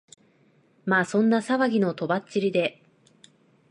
まあそんな騒ぎの飛ばっちりで、